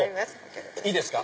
いいですか？